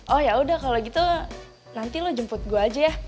oh ya udah kalau gitu nanti lo jemput gue aja ya